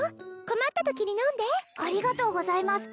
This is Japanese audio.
困ったときに飲んでありがとうございます